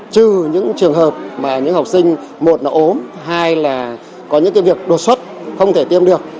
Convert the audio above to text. trừ những trường hợp mà những học sinh một là ốm hai là có những việc đột xuất không thể tiêm được